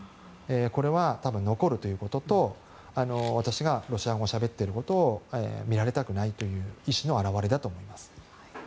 これは多分、残るということと私がロシア語をしゃべっていることを見られたくないという意思の表れだと思います。